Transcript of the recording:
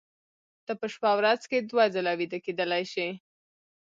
ته په شپه ورځ کې دوه ځله ویده کېدلی شې